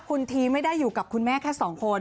คุณทีไม่ได้อยู่กับคุณแม่แค่สองคน